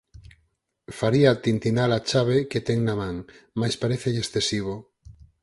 Faría tintina-la chave que ten na man, mais parécelle excesivo.